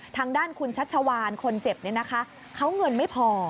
ทางด้านคุณชัชชาวานคนเจ็บเขาเงินไม่พอ